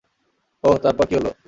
ওহ, তারপর কি হলো?